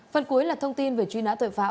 phần cuối là thông tin về truy nã tội phạm